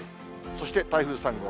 そして、台風３号。